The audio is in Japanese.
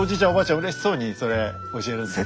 うれしそうにそれ教えるんです。